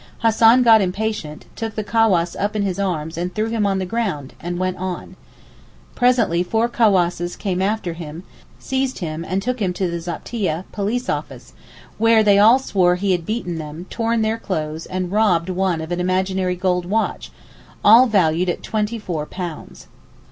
Hassan got impatient, took the cawass up in his arms and threw him on the ground, and went on. Presently four cawasses came after him, seized him and took him to the Zaptieh (police office), where they all swore he had beaten them, torn their clothes, and robbed one of an imaginary gold watch—all valued at twenty four pounds.